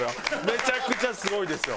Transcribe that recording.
めちゃくちゃすごいですよ。